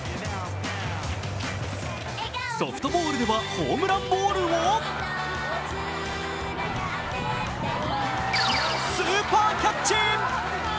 ソフトボールではホームランボールをスーパーキャッチ。